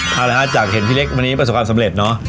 เอาละฮะจากเห็นพี่เล็กวันนี้ประสบความสำเร็จเนอะ